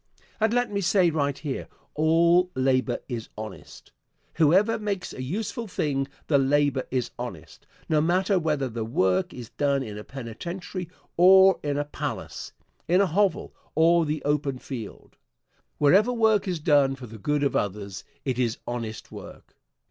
And let me say right here, all labor is honest. Whoever makes a useful thing, the labor is honest, no matter whether the work is done in a penitentiary or in a palace; in a hovel or the open field. Wherever work is done for the good of others, it is honest work.